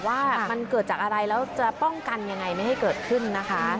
ว่ามันเกิดจากอะไรแล้วจะป้องกันยังไงไม่ให้เกิดขึ้นนะคะ